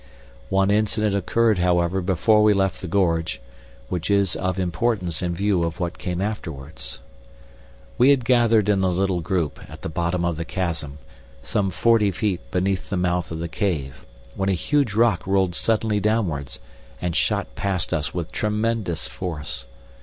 One incident occurred, however, before we left the gorge, which is of importance in view of what came afterwards. We had gathered in a little group at the bottom of the chasm, some forty feet beneath the mouth of the cave, when a huge rock rolled suddenly downwards and shot past us with tremendous force.